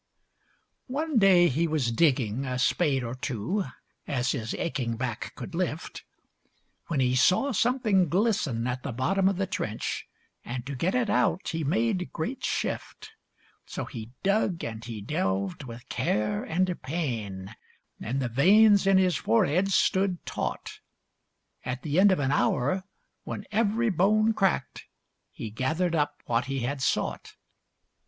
One day he was digging, a spade or two, As his aching back could lift, When he saw something glisten at the bottom of the trench, And to get it out he made great shift. So he dug, and he delved, with care and pain, And the veins in his forehead stood taut. At the end of an hour, when every bone cracked, He gathered up what he had sought.